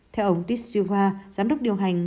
theo ông tish junga giám đốc điều hành